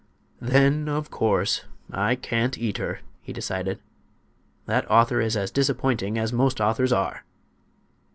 "Then, of course, I can't eat her," he decided. "That author is as disappointing as most authors are."